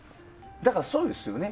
だから、そうですよね。